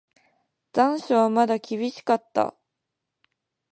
残暑はまだ厳しかった。